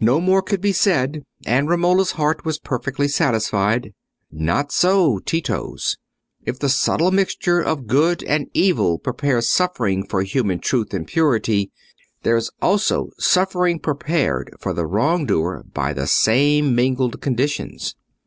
No more could be said, and Romola's heart was perfectly satisfied. Not so Tito's. If the subtle mixture of good and evil prepares suffering for human truth and purity, there is also suffering prepared for the wrong doer by the same mingled conditions.